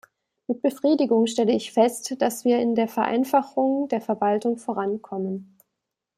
Mit Befriedigung stelle ich fest, dass wir in der Vereinfachung der Verwaltung vorankommen.